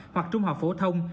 hoặc trung học phổ thông